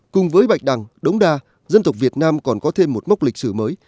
cùng với bạch đằng đống đa dân tộc việt nam còn có thêm một mốc lịch sử mới